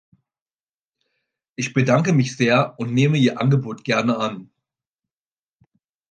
Ich bedanke mich sehr und nehme Ihr Angebot gerne an.